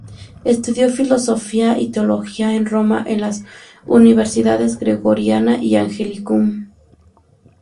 Estudió filosofía y teología en Roma en las universidades Gregoriana y Angelicum.